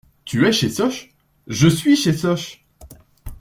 Tu es chez Sosh? Je suis chez Sosh.